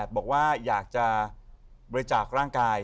บอกว่าอยากจะบริจาคร่างกาย